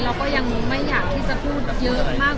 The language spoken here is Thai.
เราก็ยังไม่อยากที่จะพูดเยอะมาก